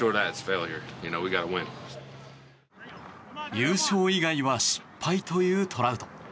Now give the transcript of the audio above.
優勝以外は失敗というトラウト。